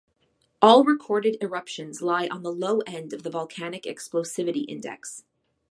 All recorded eruptions lie on the low end of the Volcanic Explosivity Index.